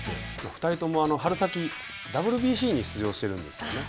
２人とも、春先、ＷＢＣに出場しているんですよね。